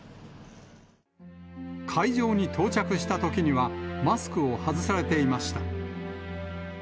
会場に到着したときには、マスクを外されていました。